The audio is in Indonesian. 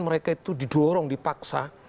mereka itu didorong dipaksa